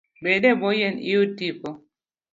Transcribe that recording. Bed e bwo yien iyud tipo